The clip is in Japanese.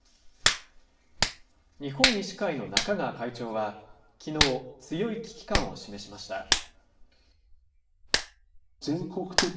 日本医師会の中川会長は、きのう、強い危機感を示しました。